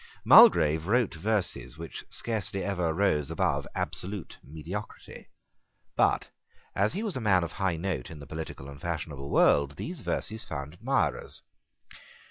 Mulgrave wrote verses which scarcely ever rose above absolute mediocrity: but, as he was a man of high note in the political and fashionable world, these verses found admirers.